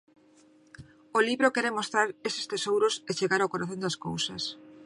O libro quere mostrar eses tesouros e chegar ao corazón das cousas.